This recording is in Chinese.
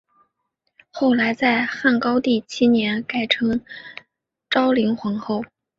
后来在汉高帝七年改称昭灵皇后。